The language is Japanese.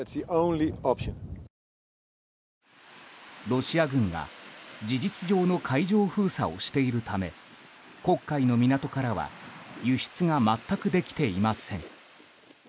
ロシア軍が事実上の海上封鎖をしているため黒海の港からは輸出が全くできていません。